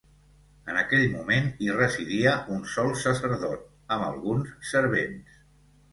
En aquell moment hi residia un sol sacerdot, amb alguns servents.